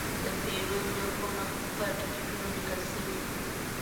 د پیرود نرخونه په ټکټونو لیکل شوي.